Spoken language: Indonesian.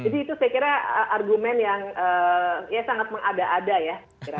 jadi itu saya kira argumen yang ya sangat mengada ada ya